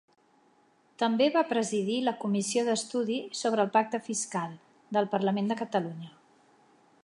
També va presidir la comissió d'estudi sobre el Pacte Fiscal del Parlament de Catalunya.